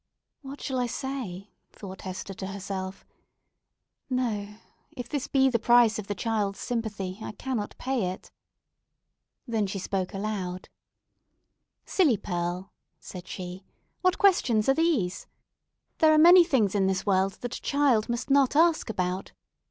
"What shall I say?" thought Hester to herself. "No! if this be the price of the child's sympathy, I cannot pay it." Then she spoke aloud— "Silly Pearl," said she, "what questions are these? There are many things in this world that a child must not ask about.